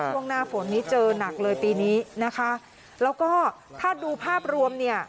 ช่วงหน้าฝนนี้เจอหนักเลยปีนี้นะคะแล้วก็ถ้าดูภาพรวมเนี่ย